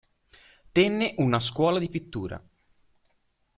Tenne una scuola di pittura.